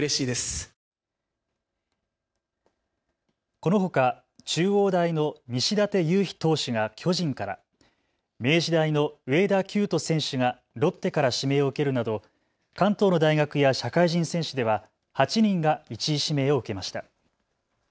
このほか中央大の西舘勇陽投手が巨人から、明治大の上田希由翔選手がロッテから指名を受けるなど関東の大学や社会人選手では８人が１位指名を受けました。